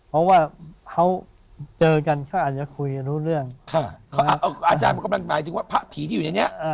เพราะว่าเขาเจอกันเขาอาจจะคุยกันรู้เรื่องอาจารย์มันกำลังหมายถึงว่าพระผีที่อยู่ในนี้